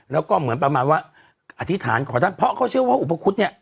แล้วก็เหมือนประมาณว่าอธิษฐานขอท่านเพราะเขาเชื่อว่าอุปคุฎเนี่ย